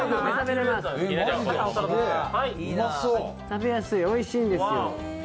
食べやすい、おいしいんですよ。